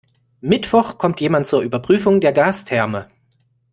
Mittwoch kommt jemand zur Überprüfung der Gastherme.